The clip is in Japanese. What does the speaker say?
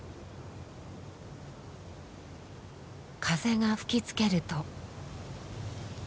風が吹きつけると。